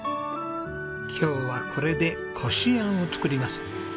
今日はこれでこしあんを作ります。